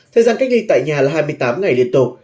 thời gian cách ly tại nhà là hai mươi tám ngày liên tục